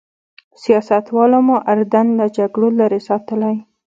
سیاستوالو مو اردن له جګړو لرې ساتلی.